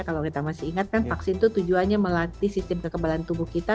kalau kita masih ingat kan vaksin itu tujuannya melatih sistem kekebalan tubuh kita